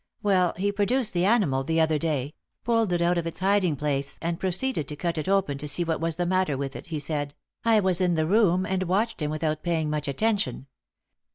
Well, he produced the animal the other day; pulled it out of its hiding place and proceeded to cut it open to see what was the matter with it he said: I was in the room and watched him without paying much attention.